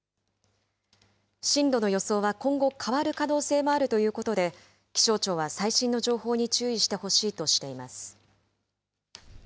進路の予想は今後、変わる可能性もあるということで、気象庁は最新の情報に注意してほしいとしています。